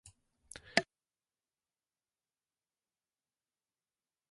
百日間で八十万人が死んだ。